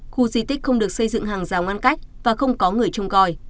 khu di tích không được xây dựng hàng rào ngăn cách và không có người trông coi